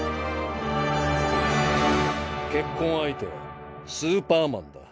結婚相手はスーパーマンだ。